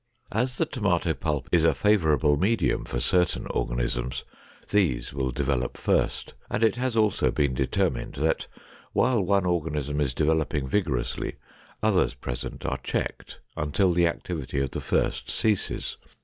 As the tomato pulp is a favorable medium for certain organisms, these will develop first, and it has also been determined that while one organism is developing vigorously, others present are checked until the activity of the first ceases.